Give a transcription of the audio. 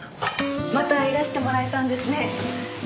またいらしてもらえたんですね。